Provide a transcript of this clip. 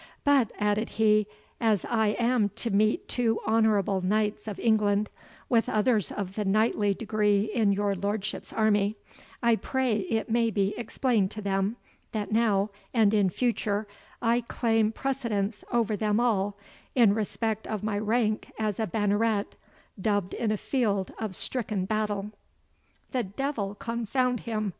But," added he, "as I am to meet two honourable knights of England, with others of the knightly degree in your lordship's army, I pray it may be explained to them, that now, and in future, I claim precedence over them all, in respect of my rank as a Banneret, dubbed in a field of stricken battle." "The devil confound him!"